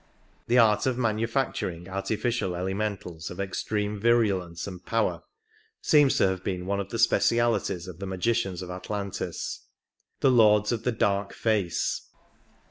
The art of manufacturing artificial elementals of extreme virulence and power seems to have been one of the speci alities of the magicians of Atlantis —" the lords of the dark face